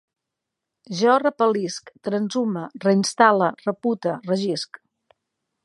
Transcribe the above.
Jo repel·lisc, transhume, reinstal·le, repute, regisc